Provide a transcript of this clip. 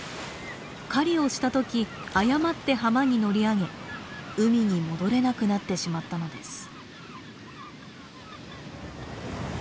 狩りをした時誤って浜に乗り上げ海に戻れなくなってしまったのです。